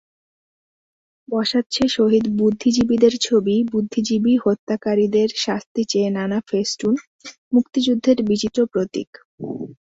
বসাচ্ছে শহীদ বুদ্ধিজীবীদের ছবি, বুদ্ধিজীবী-হত্যাকারীদের শাস্তি চেয়ে নানা ফেস্টুন, মুক্তিযুদ্ধের বিচিত্র প্রতীক।